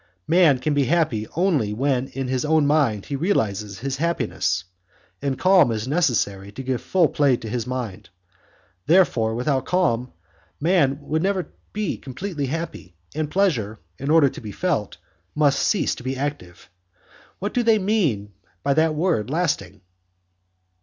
Man can be happy only when in his own mind he realizes his happiness, and calm is necessary to give full play to his mind; therefore without calm man would truly never be completely happy, and pleasure, in order to be felt, must cease to be active. Then what do they mean by that word lasting?